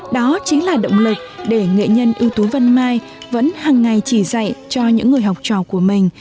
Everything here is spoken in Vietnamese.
đó chính là động lực để nghệ nhân ưu tú vân mai vẫn hàng ngày chỉ dạy cho những người học trò của mình